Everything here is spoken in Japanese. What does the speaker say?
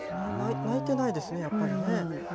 泣いてないですね、やっぱりね。